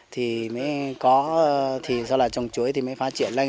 thì mới có sau đó trồng chuối thì mới phát triển lên